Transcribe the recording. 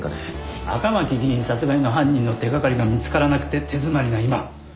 赤巻議員殺害の犯人の手掛かりが見つからなくて手詰まりな今何もしないよりいいだろ。